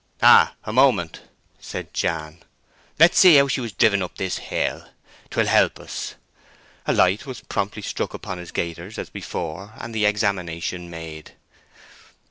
"Ah! a moment," said Jan. "Let's see how she was driven up this hill. 'Twill help us." A light was promptly struck upon his gaiters as before, and the examination made.